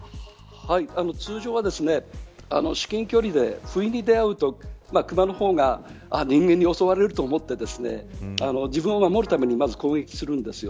通常は至近距離で不意に出会うとクマの方が人間に襲われると思って自分を守るために攻撃するんです。